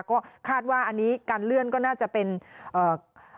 ก็คาดว่าอันนี้การเลื่อนก็น่าจะเป็นเอ่อ